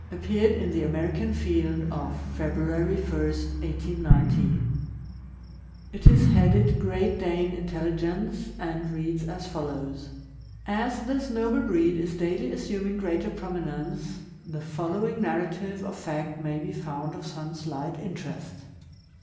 appeared in the American Field of February 1, 1890; it is headed " Great Dane Intelligence," and reads as follows: As this noble breed is daily assuming greater prominence, the following narrative of fact may be found qf some slight interest.